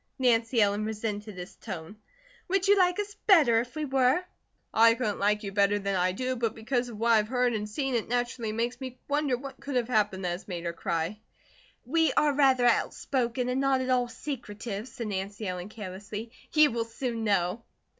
Nancy Ellen resented his tone. "Would you like us better if we were?" "I couldn't like you better than I do, but because of what I have heard and seen, it naturally makes me wonder what could have happened that has made her cry." "We are rather outspoken, and not at all secretive," said Nancy Ellen, carelessly, "you will soon know."